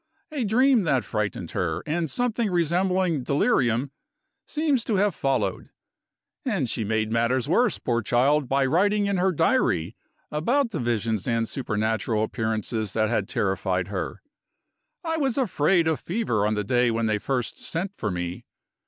A dream that frightened her, and something resembling delirium, seems to have followed. And she made matters worse, poor child, by writing in her diary about the visions and supernatural appearances that had terrified her. I was afraid of fever, on the day when they first sent for me.